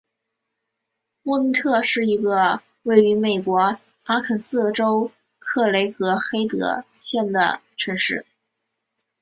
莫内特是一个位于美国阿肯色州克雷格黑德县的城市。